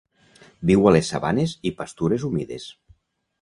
Viu a les sabanes i pastures humides.